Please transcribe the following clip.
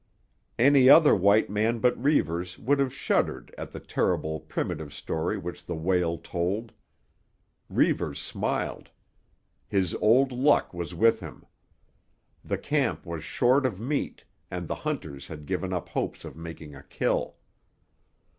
Any other white man but Reivers would have shuddered at the terrible, primitive story which the wail told. Reivers smiled. His old luck was with him. The camp was short of meat and the hunters had given up hopes of making a kill.